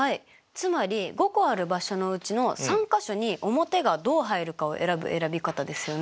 つまり５個ある場所のうちの３か所に表がどう入るかを選ぶ選び方ですよね。